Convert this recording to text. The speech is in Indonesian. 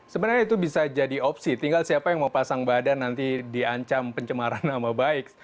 sebenarnya itu bisa jadi opsi tinggal siapa yang mau pasang badan nanti diancam pencemaran nama baik